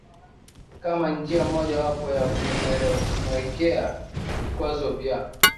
kama njia moja wapo ya kumuwekea vikwazo vya